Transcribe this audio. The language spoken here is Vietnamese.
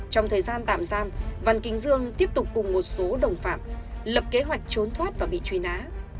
trong thời gian tạm giam văn kính dương tiếp tục cùng một số đồng phạm lập kế hoạch trốn thoát và bị truy nã